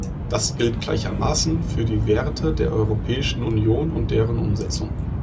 Das gilt gleichermaßen für die Werte der Europäischen Union und deren Umsetzung.